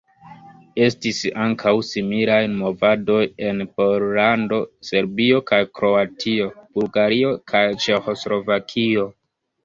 Estis ankaŭ similaj movadoj en Pollando, Serbio kaj Kroatio, Bulgario kaj Ĉeĥoslovakio.